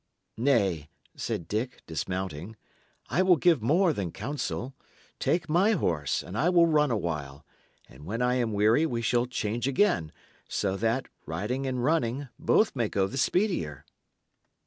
"Nay," said Dick, dismounting, "I will give more than counsel. Take my horse, and I will run awhile, and when I am weary we shall change again, that so, riding and running, both may go the speedier."